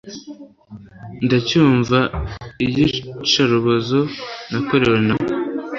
Ndacyumva iyicarubozo nakorewe nawe